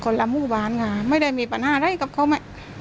คนละมุบาลไม่ได้มีปัญญาอะไรเสร็จกับเขาไหม